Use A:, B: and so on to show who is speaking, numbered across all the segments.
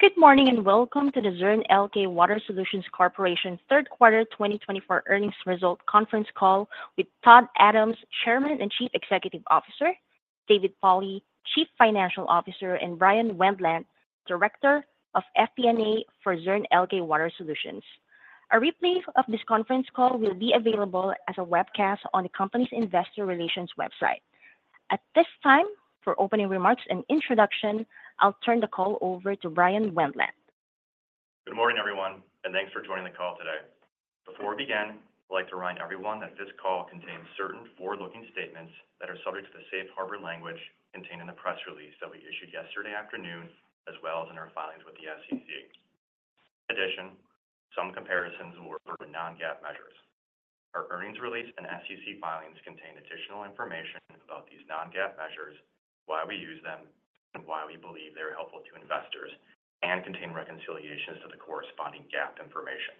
A: Good morning and welcome to the Zurn Elkay Water Solutions Corporation's Third Quarter 2024 Earnings Result Conference Call with Todd Adams, Chairman and Chief Executive Officer, David Pauli, Chief Financial Officer, and Bryan Wendland, Director of FP&A for Zurn Elkay Water Solutions. A replay of this conference call will be available as a webcast on the company's investor relations website. At this time, for opening remarks and introduction, I'll turn the call over to Bryan Wendland.
B: Good morning, everyone, and thanks for joining the call today. Before we begin, I'd like to remind everyone that this call contains certain forward-looking statements that are subject to the safe harbor language contained in the press release that we issued yesterday afternoon, as well as in our filings with the SEC. In addition, some comparisons will refer to non-GAAP measures. Our earnings release and SEC filings contain additional information about these non-GAAP measures, why we use them, and why we believe they are helpful to investors, and contain reconciliations to the corresponding GAAP information.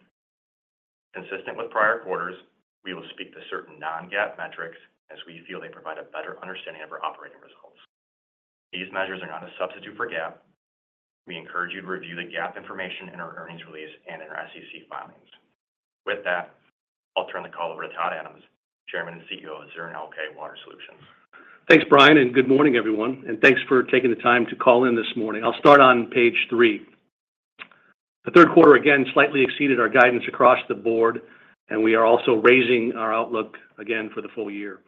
B: Consistent with prior quarters, we will speak to certain non-GAAP metrics as we feel they provide a better understanding of our operating results. These measures are not a substitute for GAAP. We encourage you to review the GAAP information in our earnings release and in our SEC filings. With that, I'll turn the call over to Todd Adams, Chairman and CEO of Zurn Elkay Water Solutions.
C: Thanks, Bryan, and good morning, everyone, and thanks for taking the time to call in this morning. I'll start on page three. The third quarter, again, slightly exceeded our guidance across the board, and we are also raising our outlook again for the full year.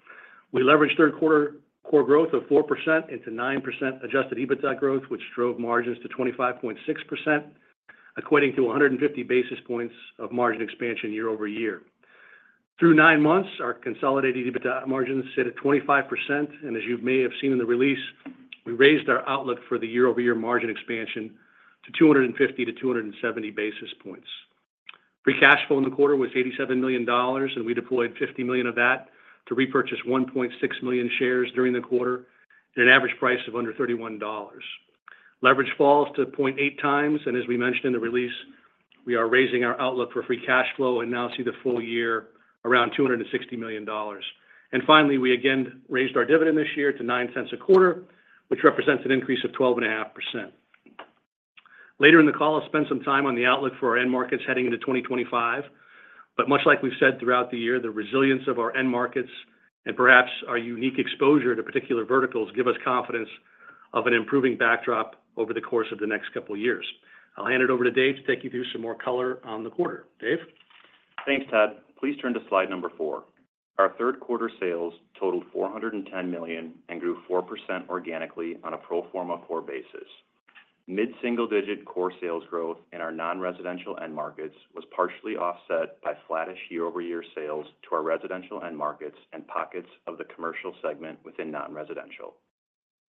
C: We leveraged third quarter core growth of 4% into 9% Adjusted EBITDA growth, which drove margins to 25.6%, equating to 150 basis points of margin expansion year over year. Through nine months, our consolidated EBITDA margins sit at 25%, and as you may have seen in the release, we raised our outlook for the year-over-year margin expansion to 250 to 270 basis points. Free cash flow in the quarter was $87 million, and we deployed $50 million of that to repurchase 1.6 million shares during the quarter at an average price of under $31. Leverage falls to 0.8 times, and as we mentioned in the release, we are raising our outlook for free cash flow and now see the full year around $260 million. And finally, we again raised our dividend this year to $0.09 a quarter, which represents an increase of 12.5%. Later in the call, I'll spend some time on the outlook for our end markets heading into 2025, but much like we've said throughout the year, the resilience of our end markets and perhaps our unique exposure to particular verticals give us confidence of an improving backdrop over the course of the next couple of years. I'll hand it over to Dave to take you through some more color on the quarter. Dave?
D: Thanks, Todd. Please turn to slide number four. Our third quarter sales totaled $410 million and grew 4% organically on a pro forma core basis. Mid-single-digit core sales growth in our non-residential end markets was partially offset by flattish year-over-year sales to our residential end markets and pockets of the commercial segment within non-residential.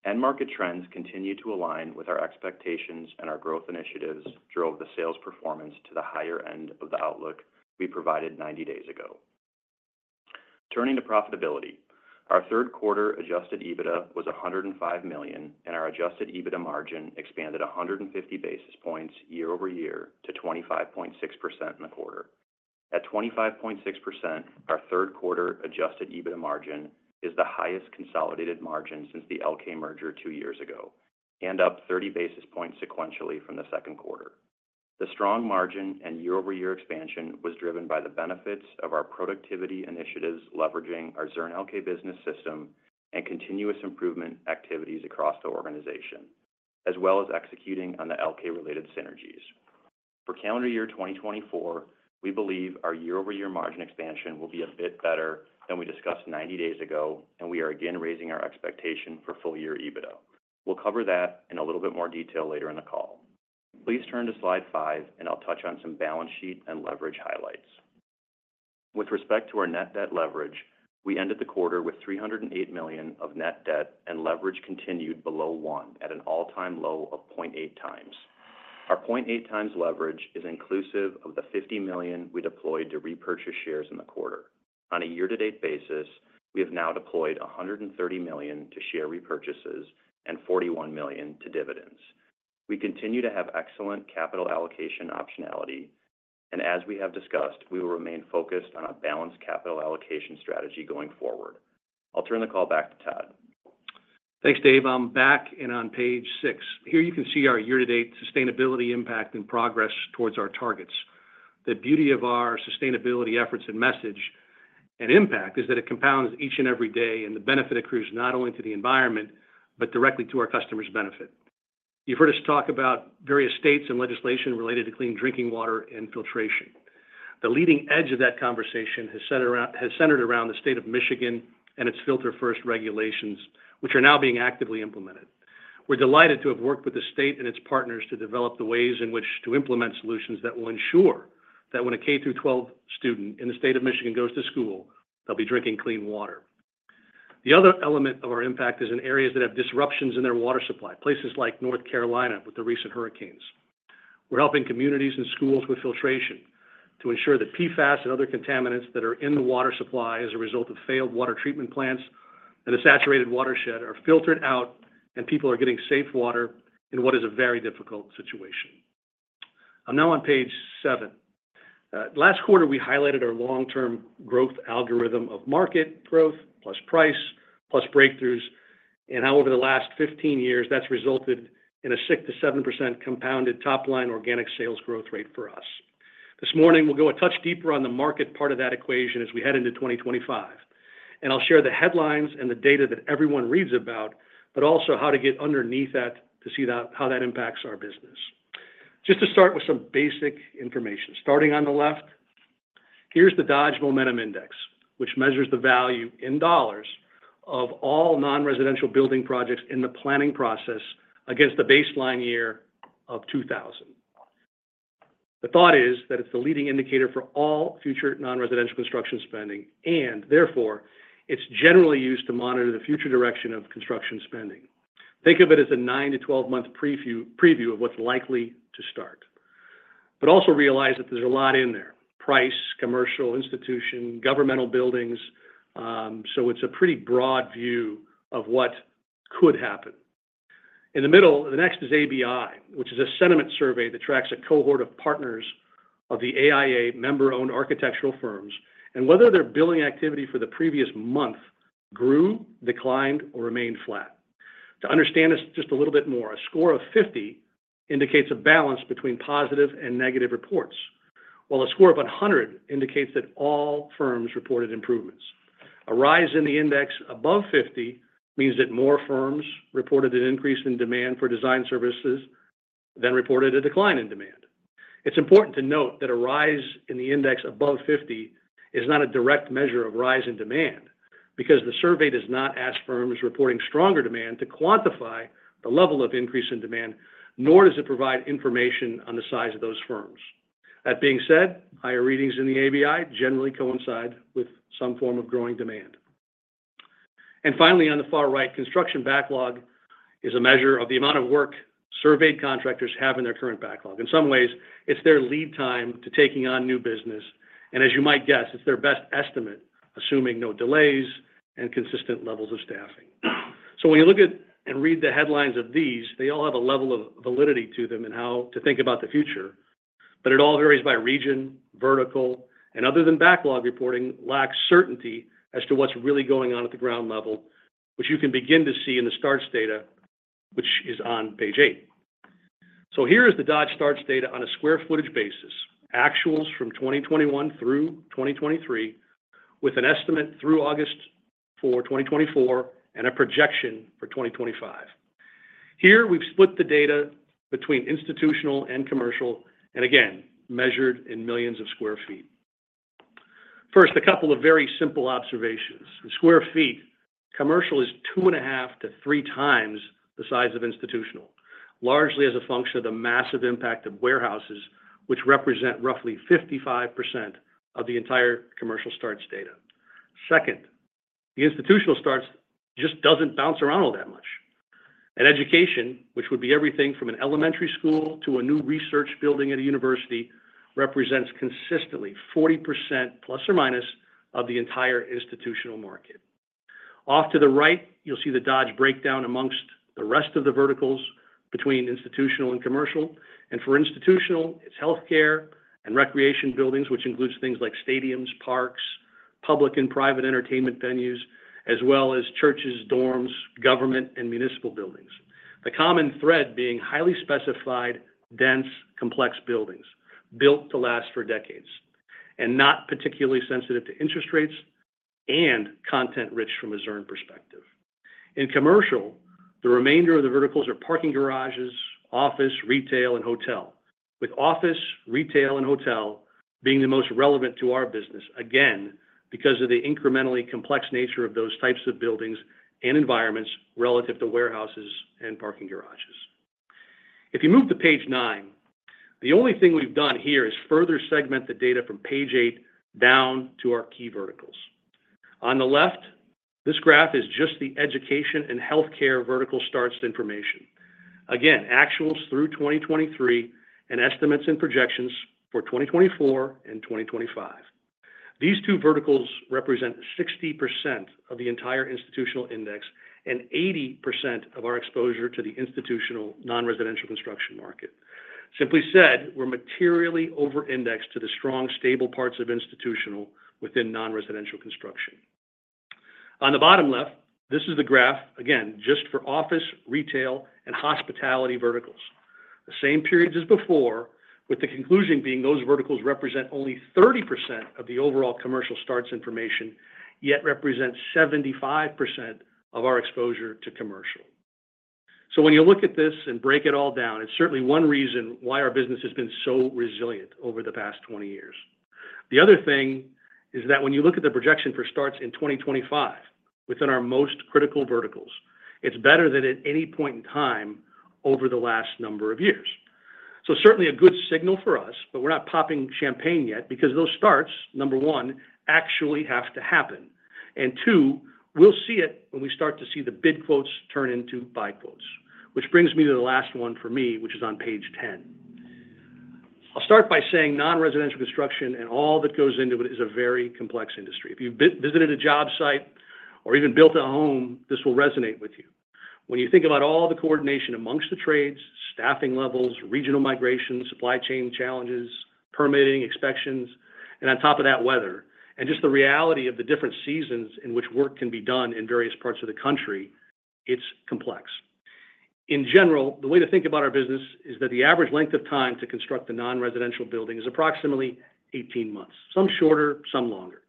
D: End market trends continued to align with our expectations and our growth initiatives drove the sales performance to the higher end of the outlook we provided 90 days ago. Turning to profitability, our third quarter adjusted EBITDA was $105 million, and our adjusted EBITDA margin expanded 150 basis points year over year to 25.6% in the quarter. At 25.6%, our third quarter adjusted EBITDA margin is the highest consolidated margin since the Elkay merger two years ago, and up 30 basis points sequentially from the second quarter. The strong margin and year-over-year expansion was driven by the benefits of our productivity initiatives leveraging our Zurn Elkay Business System and continuous improvement activities across the organization, as well as executing on the Elkay-related synergies. For calendar year 2024, we believe our year-over-year margin expansion will be a bit better than we discussed 90 days ago, and we are again raising our expectation for full-year EBITDA. We'll cover that in a little bit more detail later in the call. Please turn to slide five, and I'll touch on some balance sheet and leverage highlights. With respect to our net debt leverage, we ended the quarter with $308 million of net debt, and leverage continued below one at an all-time low of 0.8 times. Our 0.8 times leverage is inclusive of the $50 million we deployed to repurchase shares in the quarter. On a year-to-date basis, we have now deployed $130 million to share repurchases and $41 million to dividends. We continue to have excellent capital allocation optionality, and as we have discussed, we will remain focused on a balanced capital allocation strategy going forward. I'll turn the call back to Todd.
C: Thanks, Dave. I'm back and on page six. Here you can see our year-to-date sustainability impact and progress towards our targets. The beauty of our sustainability efforts and message and impact is that it compounds each and every day, and the benefit accrues not only to the environment but directly to our customers' benefit. You've heard us talk about various states and legislation related to clean drinking water and filtration. The leading edge of that conversation has centered around the state of Michigan and its Filter First regulations, which are now being actively implemented. We're delighted to have worked with the state and its partners to develop the ways in which to implement solutions that will ensure that when a K-12 student in the state of Michigan goes to school, they'll be drinking clean water. The other element of our impact is in areas that have disruptions in their water supply, places like North Carolina with the recent hurricanes. We're helping communities and schools with filtration to ensure that PFAS and other contaminants that are in the water supply as a result of failed water treatment plants and a saturated watershed are filtered out, and people are getting safe water in what is a very difficult situation. I'm now on page seven. Last quarter, we highlighted our long-term growth algorithm of market growth plus price plus breakthroughs, and how over the last 15 years that's resulted in a 6%-7% compounded top-line organic sales growth rate for us. This morning, we'll go a touch deeper on the market part of that equation as we head into 2025, and I'll share the headlines and the data that everyone reads about, but also how to get underneath that to see how that impacts our business. Just to start with some basic information. Starting on the left, here's the Dodge Momentum Index, which measures the value in dollars of all non-residential building projects in the planning process against the baseline year of 2000. The thought is that it's the leading indicator for all future non-residential construction spending, and therefore it's generally used to monitor the future direction of construction spending. Think of it as a 9-12-month preview of what's likely to start, but also realize that there's a lot in there: price, commercial, institution, governmental buildings, so it's a pretty broad view of what could happen. In the middle, the next is ABI, which is a sentiment survey that tracks a cohort of partners of the AIA member-owned architectural firms and whether their billing activity for the previous month grew, declined, or remained flat. To understand this just a little bit more, a score of 50 indicates a balance between positive and negative reports, while a score of 100 indicates that all firms reported improvements. A rise in the index above 50 means that more firms reported an increase in demand for design services than reported a decline in demand. It's important to note that a rise in the index above 50 is not a direct measure of rise in demand because the survey does not ask firms reporting stronger demand to quantify the level of increase in demand, nor does it provide information on the size of those firms. That being said, higher readings in the ABI generally coincide with some form of growing demand, and finally, on the far right, construction backlog is a measure of the amount of work surveyed contractors have in their current backlog. In some ways, it's their lead time to taking on new business, and as you might guess, it's their best estimate, assuming no delays and consistent levels of staffing, so when you look at and read the headlines of these, they all have a level of validity to them in how to think about the future, but it all varies by region, vertical, and other than backlog reporting, lacks certainty as to what's really going on at the ground level, which you can begin to see in the starts data, which is on page eight. So here is the Dodge Starts data on a square footage basis, actuals from 2021 through 2023, with an estimate through August for 2024 and a projection for 2025. Here we've split the data between institutional and commercial, and again, measured in millions of square feet. First, a couple of very simple observations. The square feet commercial is two and a half to three times the size of institutional, largely as a function of the massive impact of warehouses, which represent roughly 55% of the entire commercial starts data. Second, the institutional starts just doesn't bounce around all that much, and education, which would be everything from an elementary school to a new research building at a university, represents consistently 40% plus or minus of the entire institutional market. Off to the right, you'll see the Dodge breakdown amongst the rest of the verticals between institutional and commercial, and for institutional, it's healthcare and recreation buildings, which includes things like stadiums, parks, public and private entertainment venues, as well as churches, dorms, government, and municipal buildings. The common thread being highly specified, dense, complex buildings built to last for decades and not particularly sensitive to interest rates and content-rich from a Zurn perspective. In commercial, the remainder of the verticals are parking garages, office, retail, and hotel, with office, retail, and hotel being the most relevant to our business, again, because of the incrementally complex nature of those types of buildings and environments relative to warehouses and parking garages. If you move to page nine, the only thing we've done here is further segment the data from page eight down to our key verticals. On the left, this graph is just the education and healthcare vertical starts information. Again, actuals through 2023 and estimates and projections for 2024 and 2025. These two verticals represent 60% of the entire institutional index and 80% of our exposure to the institutional non-residential construction market. Simply said, we're materially over-indexed to the strong, stable parts of institutional within non-residential construction. On the bottom left, this is the graph, again, just for office, retail, and hospitality verticals, the same periods as before, with the conclusion being those verticals represent only 30% of the overall commercial starts information, yet represent 75% of our exposure to commercial. So when you look at this and break it all down, it's certainly one reason why our business has been so resilient over the past 20 years. The other thing is that when you look at the projection for starts in 2025 within our most critical verticals, it's better than at any point in time over the last number of years. So certainly a good signal for us, but we're not popping champagne yet because those starts, number one, actually have to happen, and two, we'll see it when we start to see the bid quotes turn into buy quotes, which brings me to the last one for me, which is on page 10. I'll start by saying non-residential construction and all that goes into it is a very complex industry. If you've visited a job site or even built a home, this will resonate with you. When you think about all the coordination among the trades, staffing levels, regional migration, supply chain challenges, permitting, inspections, and on top of that, weather, and just the reality of the different seasons in which work can be done in various parts of the country, it's complex. In general, the way to think about our business is that the average length of time to construct a non-residential building is approximately 18 months, some shorter, some longer.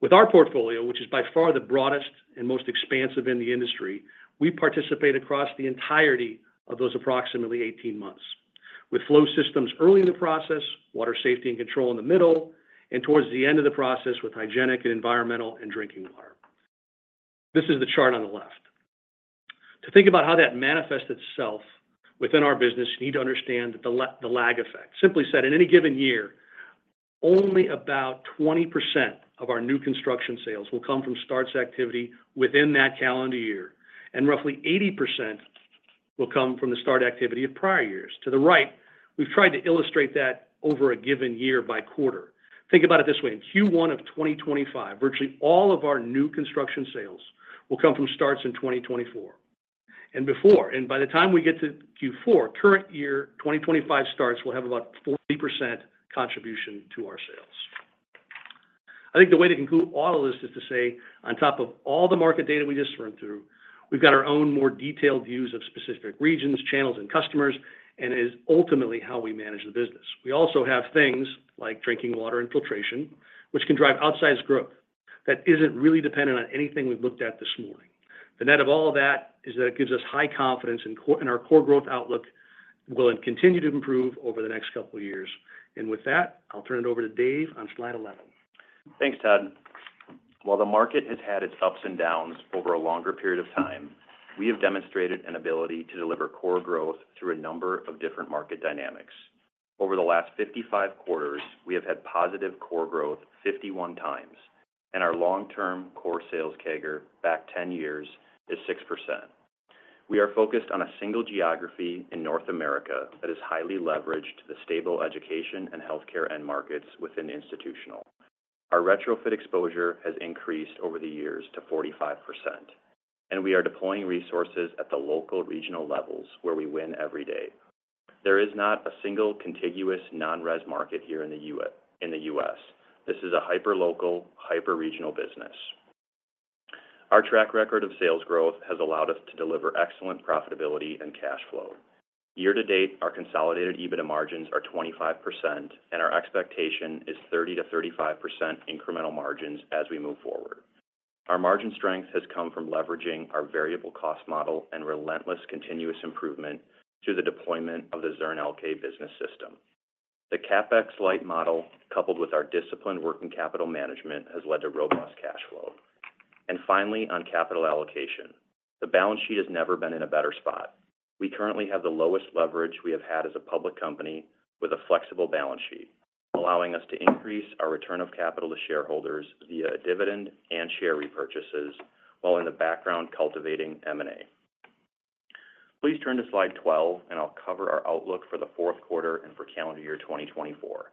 C: With our portfolio, which is by far the broadest and most expansive in the industry, we participate across the entirety of those approximately 18 months, with flow systems early in the process, water safety and control in the middle, and towards the end of the process with hygienic and environmental and drinking water. This is the chart on the left. To think about how that manifests itself within our business, you need to understand the lag effect. Simply said, in any given year, only about 20% of our new construction sales will come from starts activity within that calendar year, and roughly 80% will come from the start activity of prior years. To the right, we've tried to illustrate that over a given year by quarter. Think about it this way. In Q1 of 2025, virtually all of our new construction sales will come from starts in 2024. By the time we get to Q4, current year 2025 starts will have about 40% contribution to our sales. I think the way to conclude all of this is to say, on top of all the market data we just went through, we've got our own more detailed views of specific regions, channels, and customers, and it is ultimately how we manage the business. We also have things like drinking water and filtration, which can drive outsized growth that isn't really dependent on anything we've looked at this morning. The net of all that is that it gives us high confidence in our core growth outlook will continue to improve over the next couple of years. And with that, I'll turn it over to Dave on slide 11.
D: Thanks, Todd. While the market has had its ups and downs over a longer period of time, we have demonstrated an ability to deliver core growth through a number of different market dynamics. Over the last 55 quarters, we have had positive core growth 51 times, and our long-term core sales CAGR back 10 years is 6%. We are focused on a single geography in North America that is highly leveraged to the stable education and healthcare end markets within institutional. Our retrofit exposure has increased over the years to 45%, and we are deploying resources at the local regional levels where we win every day. There is not a single contiguous non-res market here in the U.S. This is a hyper-local, hyper-regional business. Our track record of sales growth has allowed us to deliver excellent profitability and cash flow. Year to date, our consolidated EBITDA margins are 25%, and our expectation is 30%-35% incremental margins as we move forward. Our margin strength has come from leveraging our variable cost model and relentless continuous improvement to the deployment of the Zurn Elkay Business System. The CapEx-light model, coupled with our disciplined working capital management, has led to robust cash flow. And finally, on capital allocation, the balance sheet has never been in a better spot. We currently have the lowest leverage we have had as a public company with a flexible balance sheet, allowing us to increase our return of capital to shareholders via a dividend and share repurchases while in the background cultivating M&A. Please turn to slide 12, and I'll cover our outlook for the fourth quarter and for calendar year 2024.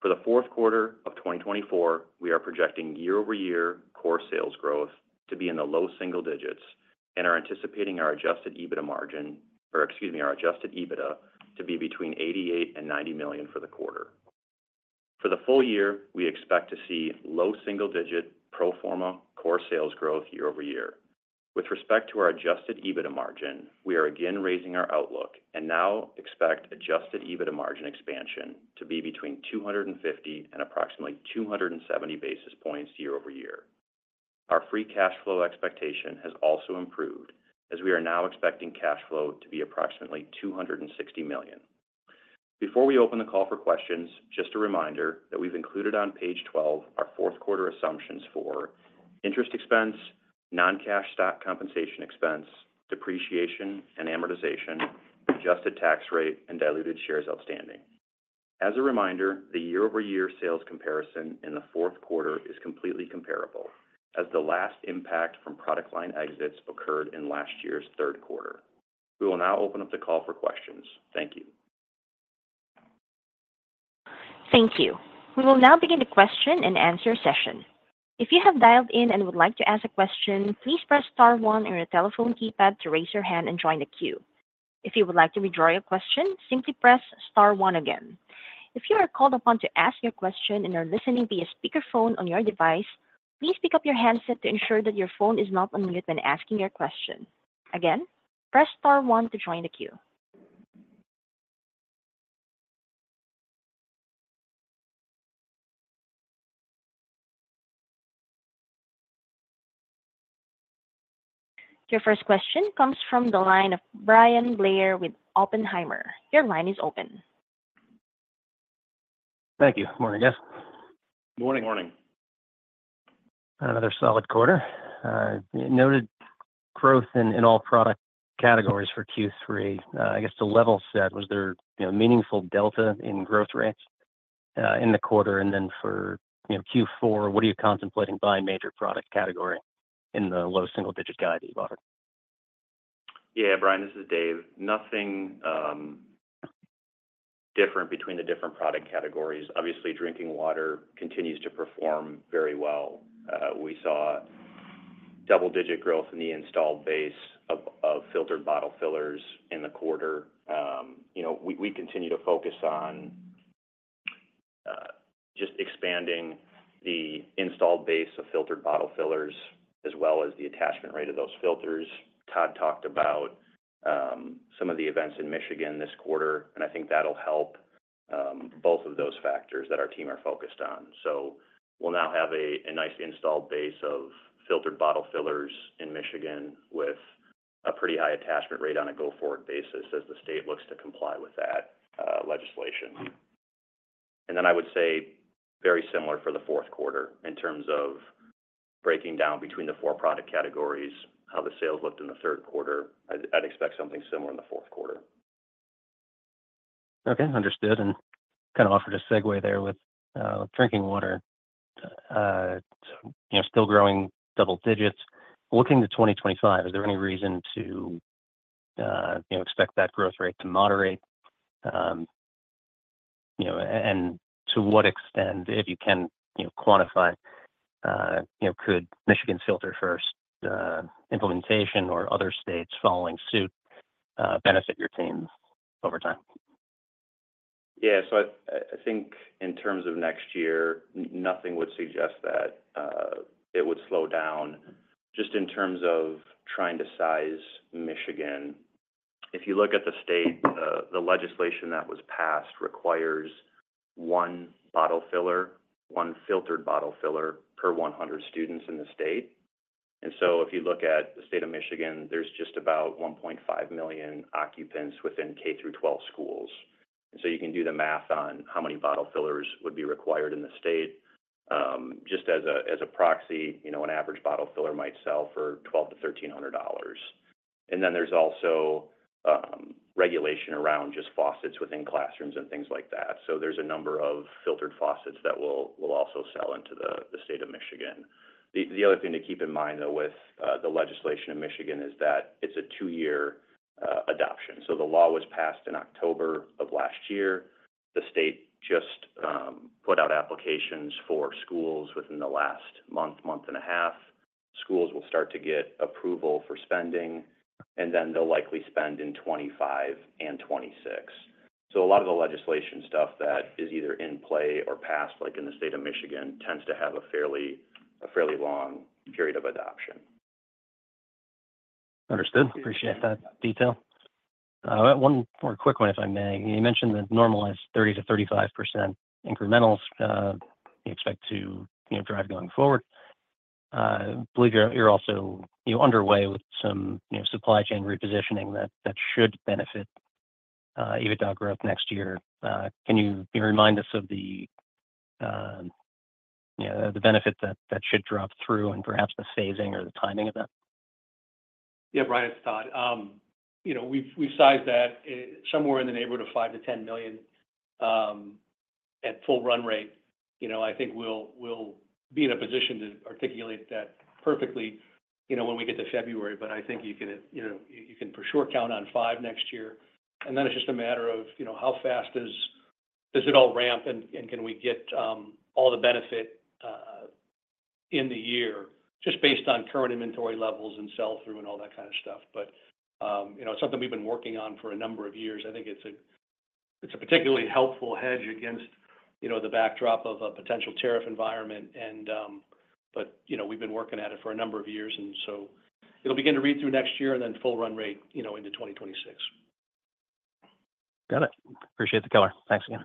D: For the fourth quarter of 2024, we are projecting year-over-year core sales growth to be in the low single digits, and are anticipating our adjusted EBITDA margin, or excuse me, our adjusted EBITDA, to be between $88 million and $90 million for the quarter. For the full year, we expect to see low single-digit pro forma core sales growth year-over-year. With respect to our adjusted EBITDA margin, we are again raising our outlook and now expect adjusted EBITDA margin expansion to be between 250 and approximately 270 basis points year-over-year. Our free cash flow expectation has also improved as we are now expecting cash flow to be approximately $260 million. Before we open the call for questions, just a reminder that we've included on page 12 our fourth quarter assumptions for interest expense, non-cash stock compensation expense, depreciation and amortization, adjusted tax rate, and diluted shares outstanding. As a reminder, the year-over-year sales comparison in the fourth quarter is completely comparable as the last impact from product line exits occurred in last year's third quarter. We will now open up the call for questions. Thank you.
A: Thank you. We will now begin the question and answer session. If you have dialed in and would like to ask a question, please press star one on your telephone keypad to raise your hand and join the queue. If you would like to withdraw your question, simply press star one again. If you are called upon to ask your question and are listening via speakerphone on your device, please pick up your handset to ensure that your phone is not unmuted when asking your question. Again, press star one to join the queue. Your first question comes from the line of Bryan Blair with Oppenheimer. Your line is open.
E: Thank you. Morning, guys.
C: Good morning.
E: Another solid quarter. Noted growth in all product categories for Q3. I guess the level set, was there a meaningful delta in growth rates in the quarter? And then for Q4, what are you contemplating by major product category in the low single-digit guide that you bought?
D: Yeah, Bryan, this is Dave. Nothing different between the different product categories. Obviously, drinking water continues to perform very well. We saw double-digit growth in the installed base of filtered bottle fillers in the quarter. We continue to focus on just expanding the installed base of filtered bottle fillers as well as the attachment rate of those filters. Todd talked about some of the events in Michigan this quarter, and I think that'll help both of those factors that our team are focused on, so we'll now have a nice installed base of filtered bottle fillers in Michigan with a pretty high attachment rate on a go-forward basis as the state looks to comply with that legislation, and then I would say very similar for the fourth quarter in terms of breaking down between the four product categories, how the sales looked in the third quarter. I'd expect something similar in the fourth quarter.
E: Okay. Understood. And kind of offered a segue there with drinking water, still growing double digits. Looking to 2025, is there any reason to expect that growth rate to moderate? And to what extent, if you can quantify, could Michigan's Filter First implementation or other states following suit benefit your team over time?
D: Yeah. So I think in terms of next year, nothing would suggest that it would slow down. Just in terms of trying to size Michigan, if you look at the state, the legislation that was passed requires one bottle filler, one filtered bottle filler per 100 students in the state. And so if you look at the state of Michigan, there's just about 1.5 million occupants within K-12 schools. And so you can do the math on how many bottle fillers would be required in the state. Just as a proxy, an average bottle filler might sell for $1,200-$1,300. And then there's also regulation around just faucets within classrooms and things like that. So there's a number of filtered faucets that will also sell into the state of Michigan. The other thing to keep in mind, though, with the legislation in Michigan is that it's a two-year adoption. So the law was passed in October of last year. The state just put out applications for schools within the last month, month and a half. Schools will start to get approval for spending, and then they'll likely spend in 2025 and 2026. So a lot of the legislation stuff that is either in play or passed, like in the state of Michigan, tends to have a fairly long period of adoption.
E: Understood. Appreciate that detail. One more quick one, if I may. You mentioned the normalized 30%-35% incrementals you expect to drive going forward. I believe you're also underway with some supply chain repositioning that should benefit EBITDA growth next year. Can you remind us of the benefit that should drop through and perhaps the phasing or the timing of that?
C: Yeah, Bryan, it's Todd. We've sized that somewhere in the neighborhood of $5 million-$10 million at full run rate. I think we'll be in a position to articulate that perfectly when we get to February, but I think you can for sure count on $5 million next year, and then it's just a matter of how fast does it all ramp, and can we get all the benefit in the year just based on current inventory levels and sell-through and all that kind of stuff, but it's something we've been working on for a number of years. I think it's a particularly helpful hedge against the backdrop of a potential tariff environment, but we've been working at it for a number of years, and so it'll begin to read through next year and then full run rate into 2026.
E: Got it. Appreciate the color. Thanks again.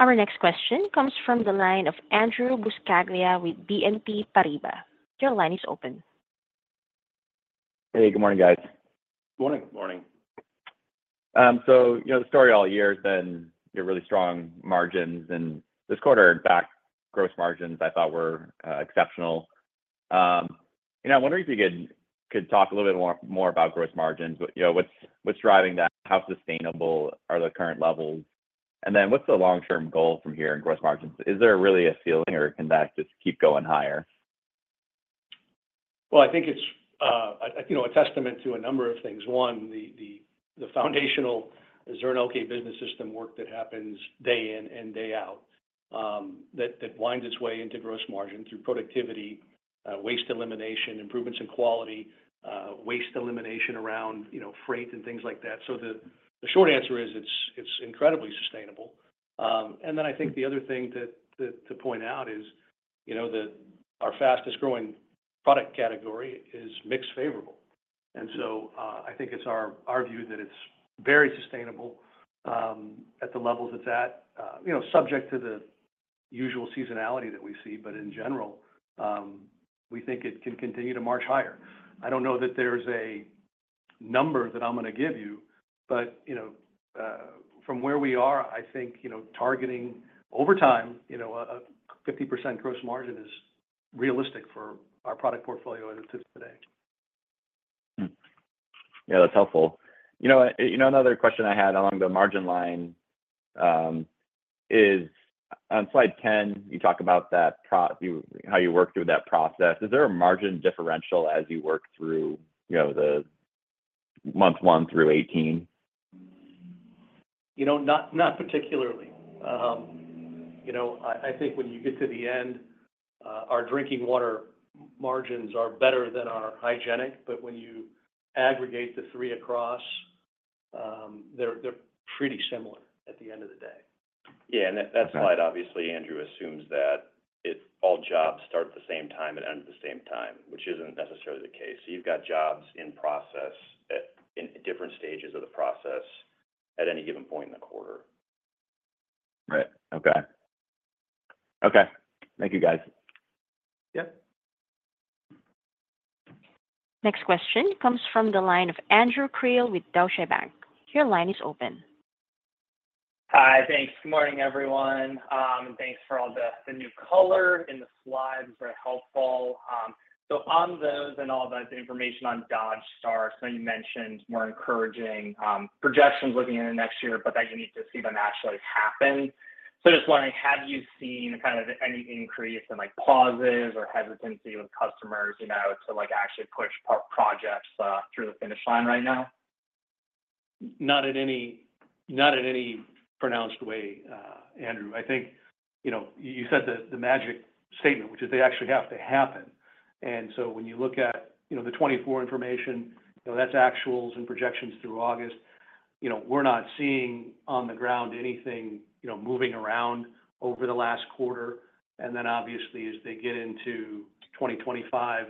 A: Our next question comes from the line of Andrew Buscaglia with BNP Paribas. Your line is open.
F: Hey, good morning, guys.
C: Good morning.
D: Morning.
F: So the story all year has been your really strong margins, and this quarter's gross margins I thought were exceptional. I'm wondering if you could talk a little bit more about gross margins, what's driving that, how sustainable are the current levels, and then what's the long-term goal from here in gross margins? Is there really a ceiling, or can that just keep going higher?
C: I think it's a testament to a number of things. One, the foundational Zurn Elkay Business System work that happens day in and day out that winds its way into gross margin through productivity, waste elimination, improvements in quality, waste elimination around freight and things like that. The short answer is it's incredibly sustainable. The other thing to point out is that our fastest-growing product category is hygienic and environmental. It's our view that it's very sustainable at the levels it's at, subject to the usual seasonality that we see, but in general, we think it can continue to march higher. I don't know that there's a number that I'm going to give you, but from where we are, I think targeting over time, a 50% gross margin is realistic for our product portfolio as it sits today.
F: Yeah, that's helpful. You know another question I had along the margin line is on slide 10, you talk about how you worked through that process. Is there a margin differential as you work through the month one through 18?
C: Not particularly. I think when you get to the end, our drinking water margins are better than our hygienic, but when you aggregate the three across, they're pretty similar at the end of the day.
D: Yeah. And that's why, obviously, Andrew assumes that all jobs start at the same time and end at the same time, which isn't necessarily the case. So you've got jobs in process at different stages of the process at any given point in the quarter.
F: Right. Okay. Okay. Thank you, guys.
C: Yep.
A: Next question comes from the line of Andrew Krill with Deutsche Bank. Your line is open.
G: Hi, thanks. Good morning, everyone, and thanks for all the new color in the slides. Very helpful, so on those and all that information on Dodge's, I know you mentioned more encouraging projections looking into next year, but that you need to see them actually happen, so just wondering, have you seen kind of any increase in pauses or hesitancy with customers to actually push projects through the finish line right now?
C: Not in any pronounced way, Andrew. I think you said the magic statement, which is they actually have to happen. And so when you look at the 2024 information, that's actuals and projections through August. We're not seeing on the ground anything moving around over the last quarter. And then, obviously, as they get into 2025,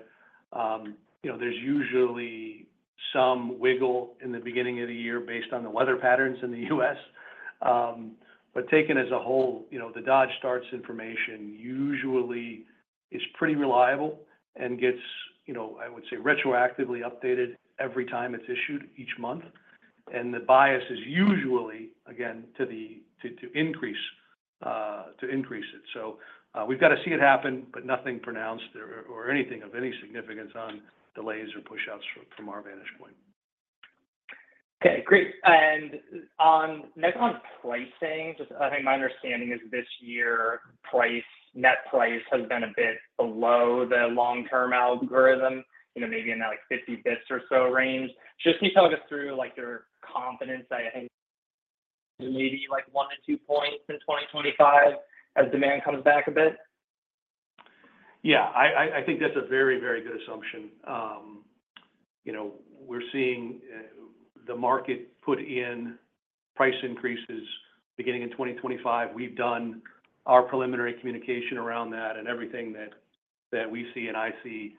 C: there's usually some wiggle in the beginning of the year based on the weather patterns in the U.S. But taken as a whole, the Dodge Starts information usually is pretty reliable and gets, I would say, retroactively updated every time it's issued each month. And the bias is usually, again, to increase it. So we've got to see it happen, but nothing pronounced or anything of any significance on delays or push-outs from our vantage point.
G: Okay. Great. And next on pricing, just I think my understanding is this year's net price has been a bit below the long-term algorithm, maybe in that 50 basis points or so range. Just can you talk us through your confidence that I think maybe one to two points in 2025 as demand comes back a bit?
C: Yeah. I think that's a very, very good assumption. We're seeing the market put in price increases beginning in 2025. We've done our preliminary communication around that, and everything that we see and I see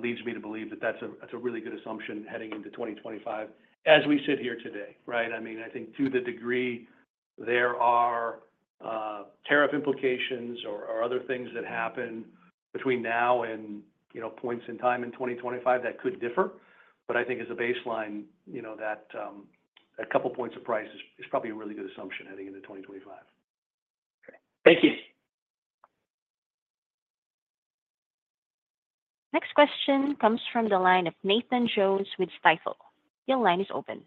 C: leads me to believe that that's a really good assumption heading into 2025 as we sit here today, right? I mean, I think to the degree there are tariff implications or other things that happen between now and points in time in 2025 that could differ, but I think as a baseline, that a couple of points of price is probably a really good assumption heading into 2025.
G: Thank you.
A: Next question comes from the line of Nathan Jones with Stifel. Your line is open.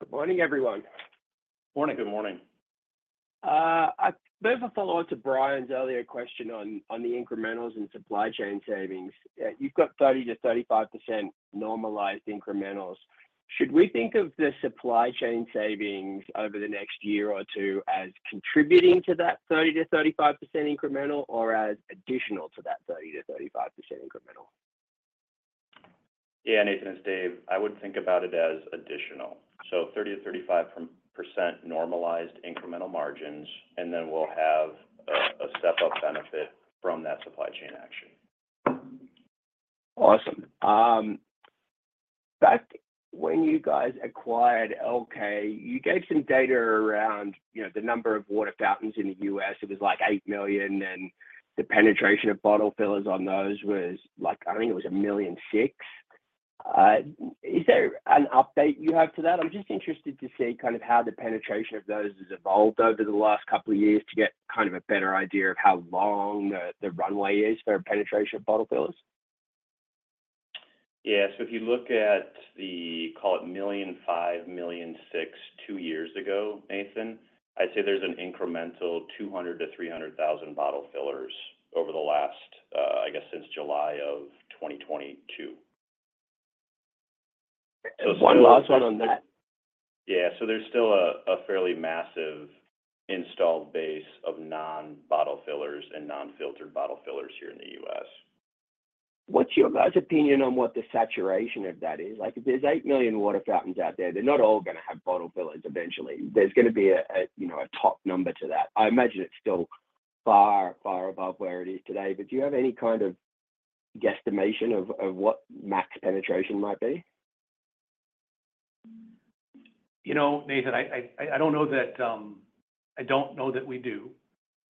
H: Good morning, everyone.
C: Morning.
D: Good morning.
H: I have a follow-up to Brian's earlier question on the incrementals and supply chain savings. You've got 30%-35% normalized incrementals. Should we think of the supply chain savings over the next year or two as contributing to that 30%-35% incremental or as additional to that 30%-35% incremental?
D: Yeah, Nathan it's Dave, I would think about it as additional. So 30%-35% normalized incremental margins, and then we'll have a step-up benefit from that supply chain action.
H: Awesome. Back when you guys acquired Elkay, you gave some data around the number of water fountains in the U.S. It was like 8 million, and the penetration of bottle fillers on those was like, I think it was a million six. Is there an update you have to that? I'm just interested to see kind of how the penetration of those has evolved over the last couple of years to get kind of a better idea of how long the runway is for penetration of bottle fillers.
D: Yeah. So if you look at the, call it 1.5 million, 1.6 million two years ago, Nathan, I'd say there's an incremental 200,000 to 300,000 bottle fillers over the last, I guess, since July of 2022.
H: One last one on that.
D: Yeah. So there's still a fairly massive installed base of non-bottle fillers and non-filtered bottle fillers here in the U.S.
H: What's your guys' opinion on what the saturation of that is? If there's 8 million water fountains out there, they're not all going to have bottle fillers eventually. There's going to be a top number to that. I imagine it's still far, far above where it is today, but do you have any kind of guesstimation of what max penetration might be?
C: Nathan, I don't know that we do,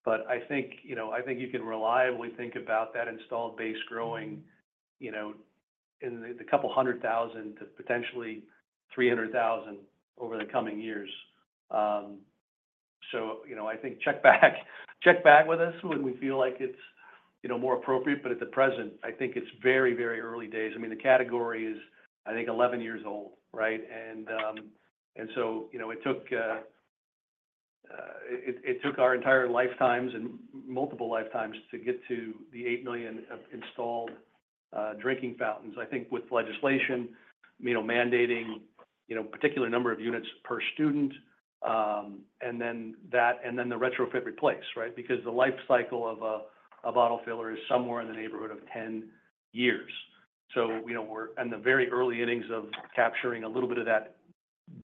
C: but I think you can reliably think about that installed base growing in the couple hundred thousand to potentially 300,000 over the coming years. So I think check back with us when we feel like it's more appropriate, but at the present, I think it's very, very early days. I mean, the category is, I think, 11 years old, right? And so it took our entire lifetimes and multiple lifetimes to get to the 8 million installed drinking fountains, I think, with legislation mandating a particular number of units per student, and then the retrofit replace, right? Because the life cycle of a bottle filler is somewhere in the neighborhood of 10 years. We're in the very early innings of capturing a little bit of that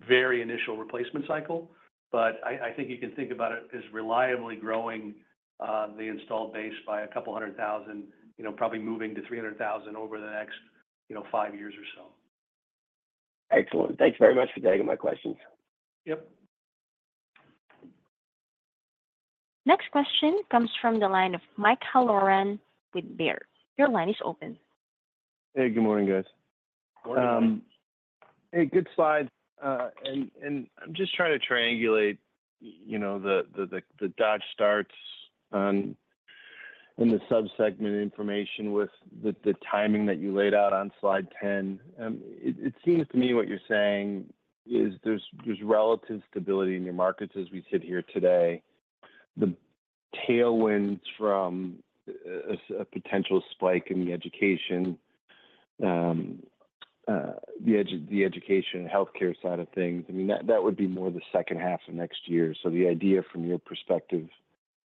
C: very initial replacement cycle, but I think you can think about it as reliably growing the installed base by a couple hundred thousand, probably moving to 300,000 over the next five years or so.
H: Excellent. Thanks very much for taking my questions.
D: Yep.
A: Next question comes from the line of Mike Halloran with Baird. Your line is open.
I: Hey, good morning, guys.
D: Morning, guys.
I: Hey, good slide. And I'm just trying to triangulate the Dodge Starts and the subsegment information with the timing that you laid out on slide 10. It seems to me what you're saying is there's relative stability in your markets as we sit here today. The tailwinds from a potential spike in the education and healthcare side of things, I mean, that would be more the second half of next year. So the idea from your perspective,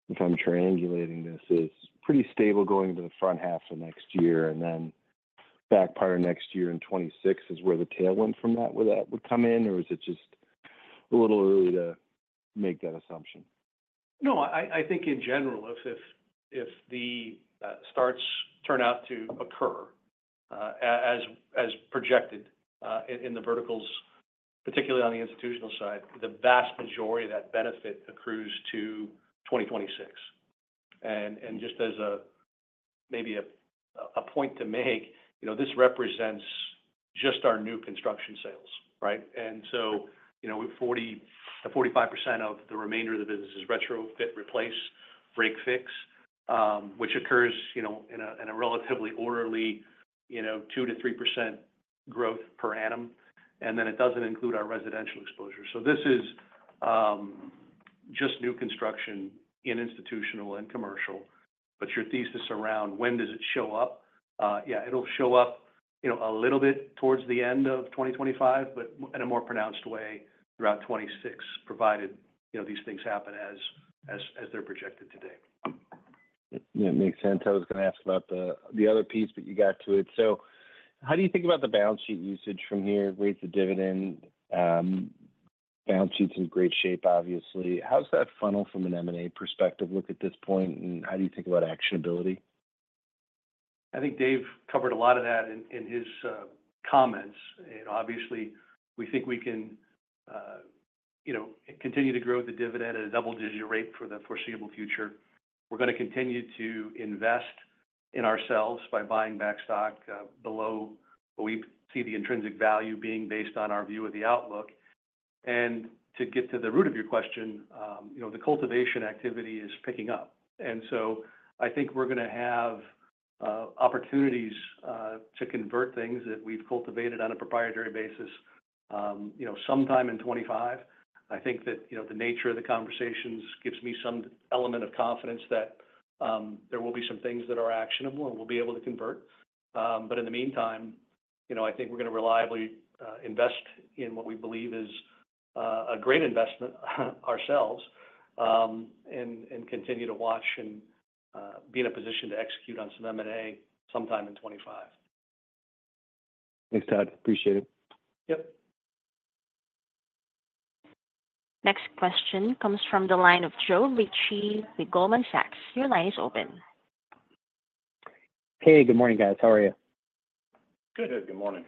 I: if I'm triangulating this, is pretty stable going into the front half of next year, and then back part of next year in 2026 is where the tailwind from that would come in, or is it just a little early to make that assumption?
C: No, I think in general, if the starts turn out to occur as projected in the verticals, particularly on the institutional side, the vast majority of that benefit accrues to 2026. And just as maybe a point to make, this represents just our new construction sales, right? And so 40%-45% of the remainder of the business is retrofit, replace, break-fix, which occurs in a relatively orderly 2%-3% growth per annum. And then it doesn't include our residential exposure. So this is just new construction in institutional and commercial, but your thesis around when does it show up? Yeah, it'll show up a little bit towards the end of 2025, but in a more pronounced way throughout 2026, provided these things happen as they're projected today.
I: Yeah, it makes sense. I was going to ask about the other piece, but you got to it. So how do you think about the balance sheet usage from here? Raising the dividend, balance sheet's in great shape, obviously. How's that funnel from an M&A perspective look at this point, and how do you think about actionability?
C: I think Dave covered a lot of that in his comments. Obviously, we think we can continue to grow the dividend at a double-digit rate for the foreseeable future. We're going to continue to invest in ourselves by buying back stock below what we see the intrinsic value being based on our view of the outlook. And to get to the root of your question, the cultivation activity is picking up. And so I think we're going to have opportunities to convert things that we've cultivated on a proprietary basis sometime in 2025. I think that the nature of the conversations gives me some element of confidence that there will be some things that are actionable and we'll be able to convert. But in the meantime, I think we're going to reliably invest in what we believe is a great investment ourselves and continue to watch and be in a position to execute on some M&A sometime in 2025.
I: Thanks, Todd. Appreciate it.
C: Yep.
A: Next question comes from the line of Joe Ritchie with Goldman Sachs. Your line is open.
J: Hey, good morning, guys. How are you?
D: Good. Good morning.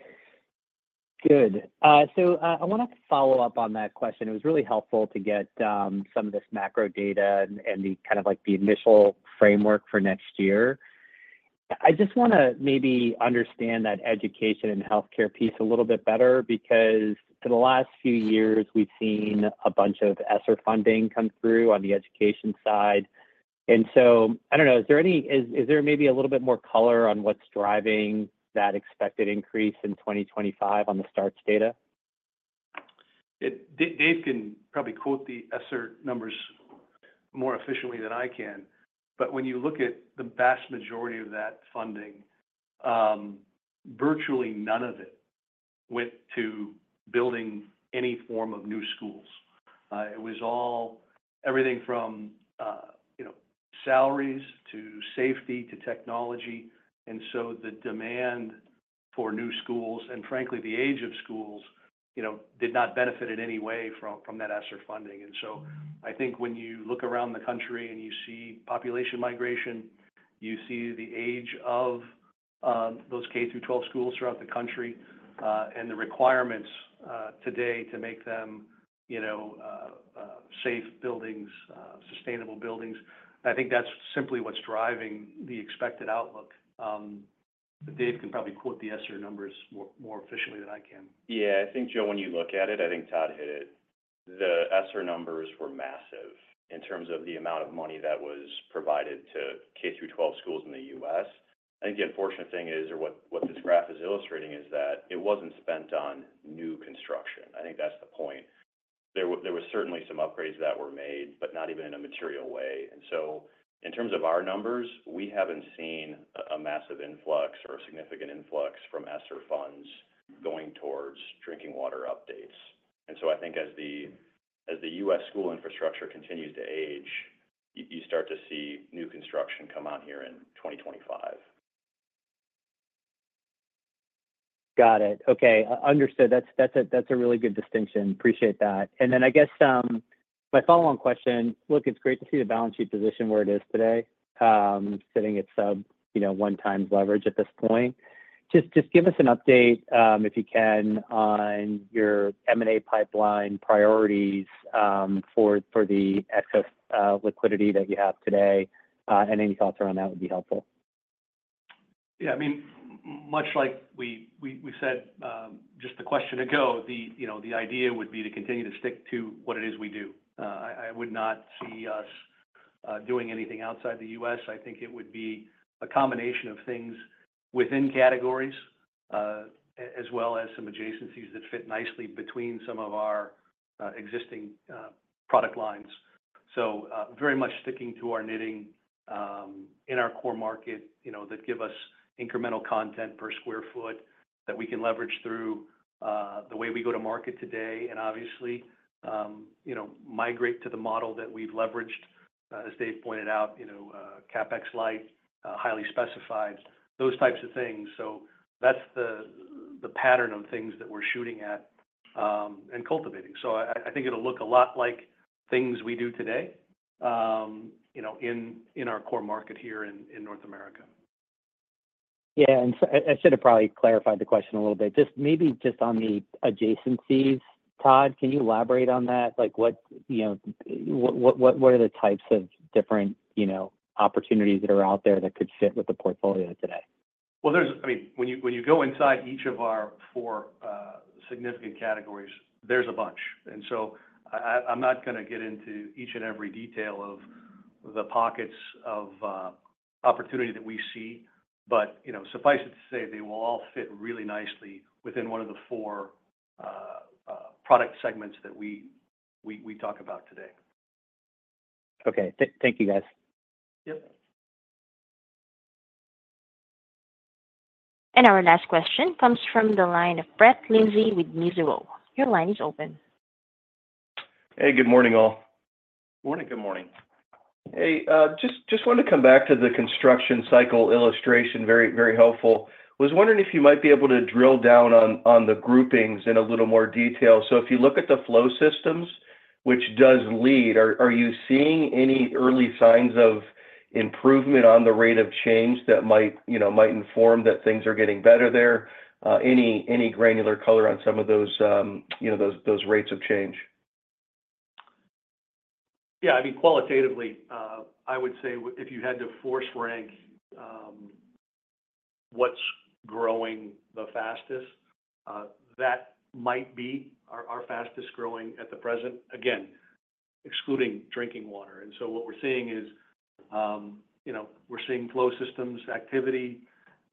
J: Good. So I want to follow up on that question. It was really helpful to get some of this macro data and kind of the initial framework for next year. I just want to maybe understand that education and healthcare piece a little bit better because for the last few years, we've seen a bunch of ESSER funding come through on the education side. And so I don't know, is there maybe a little bit more color on what's driving that expected increase in 2025 on the starts data?
C: Dave can probably quote the ESSER numbers more efficiently than I can, but when you look at the vast majority of that funding, virtually none of it went to building any form of new schools. It was everything from salaries to safety to technology, and so the demand for new schools and, frankly, the age of schools did not benefit in any way from that ESSER funding, and so I think when you look around the country and you see population migration, you see the age of those K-12 schools throughout the country and the requirements today to make them safe buildings, sustainable buildings. I think that's simply what's driving the expected outlook. Dave can probably quote the ESSER numbers more efficiently than I can.
D: Yeah. I think, Joe, when you look at it, I think Todd hit it. The ESSER numbers were massive in terms of the amount of money that was provided to K-12 schools in the U.S. I think the unfortunate thing is, or what this graph is illustrating, is that it wasn't spent on new construction. I think that's the point. There were certainly some upgrades that were made, but not even in a material way. And so in terms of our numbers, we haven't seen a massive influx or a significant influx from ESSER funds going towards drinking water updates. And so I think as the U.S. school infrastructure continues to age, you start to see new construction come out here in 2025.
J: Got it. Okay. Understood. That's a really good distinction. Appreciate that. And then I guess my follow-on question, look, it's great to see the balance sheet position where it is today, sitting at sub one times leverage at this point. Just give us an update if you can on your M&A pipeline priorities for the excess liquidity that you have today, and any thoughts around that would be helpful.
C: Yeah. I mean, much like we said just the question ago, the idea would be to continue to stick to what it is we do. I would not see us doing anything outside the U.S. I think it would be a combination of things within categories as well as some adjacencies that fit nicely between some of our existing product lines. So very much sticking to our knitting in our core market that give us incremental content per square foot that we can leverage through the way we go to market today and obviously migrate to the model that we've leveraged, as Dave pointed out, CapEx light, highly specified, those types of things. So that's the pattern of things that we're shooting at and cultivating. So I think it'll look a lot like things we do today in our core market here in North America.
J: Yeah, and I should have probably clarified the question a little bit. Maybe just on the adjacencies, Todd, can you elaborate on that? What are the types of different opportunities that are out there that could fit with the portfolio today?
C: Well, I mean, when you go inside each of our four significant categories, there's a bunch. And so I'm not going to get into each and every detail of the pockets of opportunity that we see, but suffice it to say they will all fit really nicely within one of the four product segments that we talk about today.
J: Okay. Thank you, guys.
C: Yep.
A: Our last question comes from the line of Brett Linzey with Mizuho. Your line is open.
K: Hey, good morning, all.
D: Morning.
C: Good morning.
K: Hey. Just wanted to come back to the construction cycle illustration. Very helpful. Was wondering if you might be able to drill down on the groupings in a little more detail. So if you look at the flow systems, which does lead, are you seeing any early signs of improvement on the rate of change that might inform that things are getting better there? Any granular color on some of those rates of change?
C: Yeah. I mean, qualitatively, I would say if you had to force rank what's growing the fastest, that might be our fastest growing at the present, again, excluding drinking water. And so what we're seeing is we're seeing flow systems activity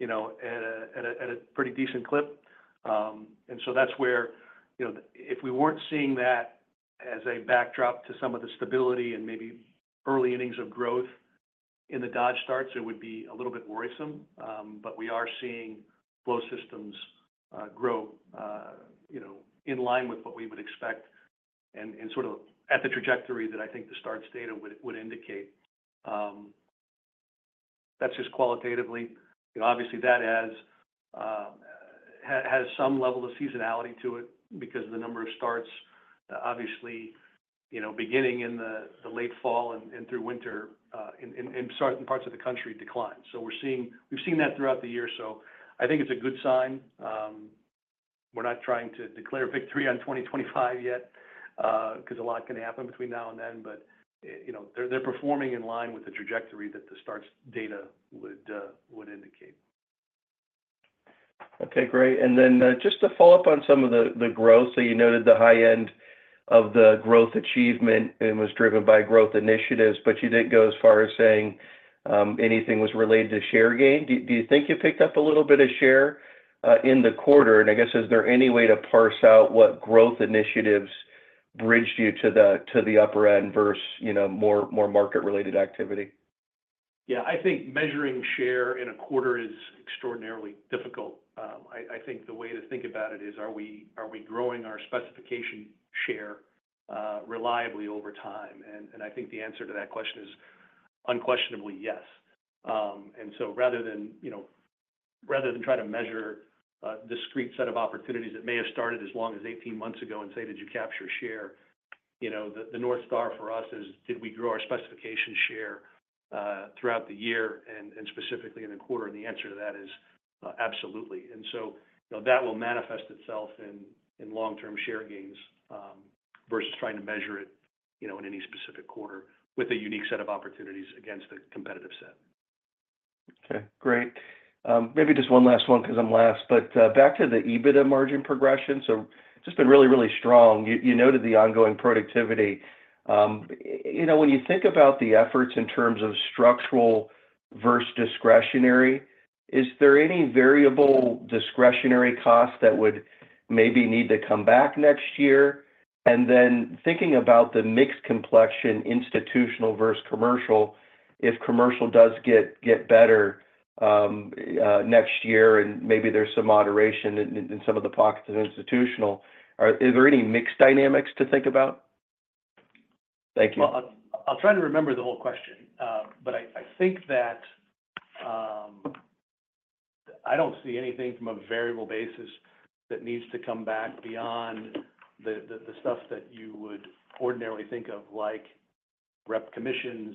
C: at a pretty decent clip. And so that's where if we weren't seeing that as a backdrop to some of the stability and maybe early innings of growth in the Dodge Starts, it would be a little bit worrisome. But we are seeing flow systems grow in line with what we would expect and sort of at the trajectory that I think the starts data would indicate. That's just qualitatively. Obviously, that has some level of seasonality to it because the number of starts, obviously, beginning in the late fall and through winter in certain parts of the country decline. So we've seen that throughout the year. So I think it's a good sign. We're not trying to declare victory on 2025 yet because a lot can happen between now and then, but they're performing in line with the trajectory that the starts data would indicate.
K: Okay. Great. And then just to follow up on some of the growth. So you noted the high end of the growth achievement and was driven by growth initiatives, but you didn't go as far as saying anything was related to share gain. Do you think you picked up a little bit of share in the quarter? And I guess, is there any way to parse out what growth initiatives bridged you to the upper end versus more market-related activity?
C: Yeah. I think measuring share in a quarter is extraordinarily difficult. I think the way to think about it is, are we growing our specification share reliably over time? And I think the answer to that question is unquestionably yes. And so rather than try to measure a discrete set of opportunities that may have started as long as 18 months ago and say, "Did you capture share?" The North Star for us is, did we grow our specification share throughout the year and specifically in the quarter? And the answer to that is absolutely. And so that will manifest itself in long-term share gains versus trying to measure it in any specific quarter with a unique set of opportunities against the competitive set.
K: Okay. Great. Maybe just one last one because I'm last, but back to the EBITDA margin progression. So it's just been really, really strong. You noted the ongoing productivity. When you think about the efforts in terms of structural versus discretionary, is there any variable discretionary costs that would maybe need to come back next year? And then thinking about the mixed complexion, institutional versus commercial, if commercial does get better next year and maybe there's some moderation in some of the pockets of institutional, are there any mixed dynamics to think about? Thank you.
C: I'll try to remember the whole question, but I think that I don't see anything from a variable basis that needs to come back beyond the stuff that you would ordinarily think of like rep commissions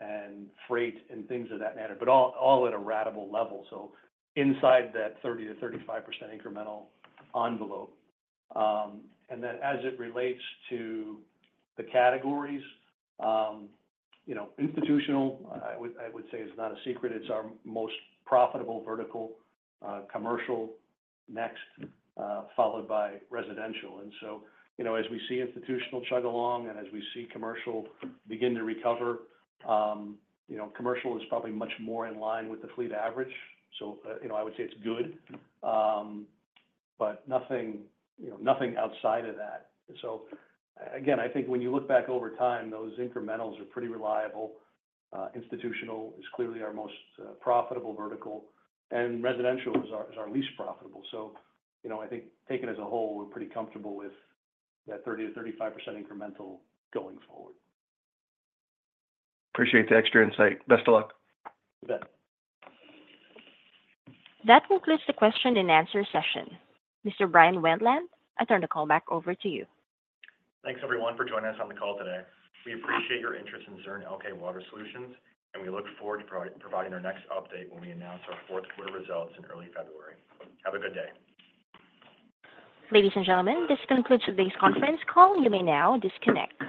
C: and freight and things of that matter, but all at a ratable level, so inside that 30%-35% incremental envelope, and then as it relates to the categories, institutional, I would say it's not a secret, it's our most profitable vertical, commercial next, followed by residential, and so as we see institutional chug along and as we see commercial begin to recover, commercial is probably much more in line with the fleet average, so I would say it's good, but nothing outside of that, so again I think when you look back over time, those incrementals are pretty reliable. Institutional is clearly our most profitable vertical, and residential is our least profitable, so I think taken as a whole, we're pretty comfortable with that 30%-35% incremental going forward.
K: Appreciate the extra insight. Best of luck.
C: You bet.
A: That concludes the question and answer session. Mr. Bryan Wendland, I turn the call back over to you.
B: Thanks, everyone, for joining us on the call today. We appreciate your interest in Zurn Elkay Water Solutions, and we look forward to providing our next update when we announce our fourth quarter results in early February. Have a good day.
A: Ladies and gentlemen, this concludes today's conference call. You may now disconnect.